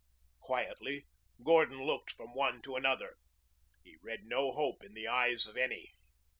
Quietly Gordon looked from one to another. He read no hope in the eyes of any.